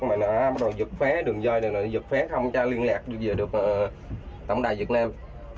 mà nó bắt đầu giựt phé đường dài này giựt phé không cho liên lạc được tổng đài việt nam